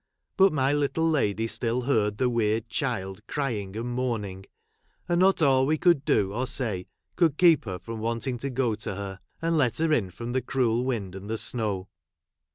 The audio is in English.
But my little [ lady still heai'd the weird child eryiug and ' mourning ; and not all we could do or say, could keep her from wanting to go to her, ! and let her in from the cruel wind and the 1 snow.